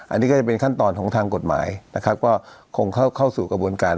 อันนี้ก็จะเป็นขั้นตอนของทางกฎหมายนะครับก็คงเข้าสู่กระบวนการ